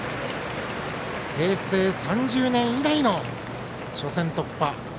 平成３０年以来の初戦突破。